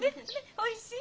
おいしい？